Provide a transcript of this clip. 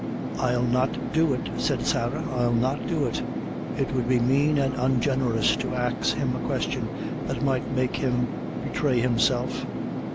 "I'll not do it," said Sarah, "I'll not do it; it would be mane and ungenerous to ax him a question that might make him betray himself."